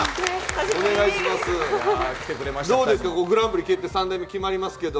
どうですか、グランプリ決定、３代目決まりますけど。